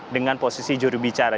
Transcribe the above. dengan posisi juru bicara